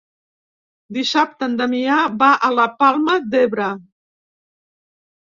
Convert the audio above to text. Dissabte en Damià va a la Palma d'Ebre.